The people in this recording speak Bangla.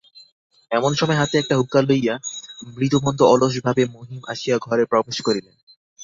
এমন সময় হাতে একটা হুঁকা লইয়া মৃদুমন্দ অলস ভাবে মহিম আসিয়া ঘরে প্রবেশ করিলেন।